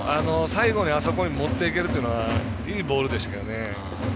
最後にあそこに持っていけるというのは、いいボールでした